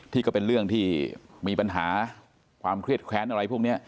ที่ก็เป็นเรื่องที่มีปัญหาความเครียดแค้นอะไรพวกนี้